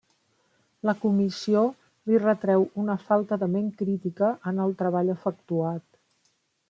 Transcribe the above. La comissió li retreu una falta de ment crítica en el treball efectuat.